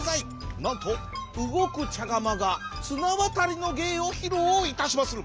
なんとうごくちゃがまがつなわたりのげいをひろういたしまする。